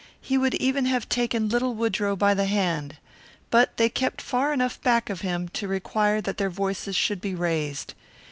He would even have taken little Woodrow by the hand. But they kept far enough back of him to require that their voices should be raised.